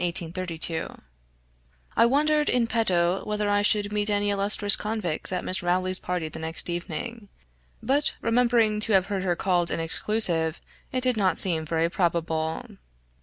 } I wondered, in petto, whether I should meet any illustrious convicts at Miss Rowley's party the next evening; but remembering to have heard her called an exclusive, it did not seem very probable.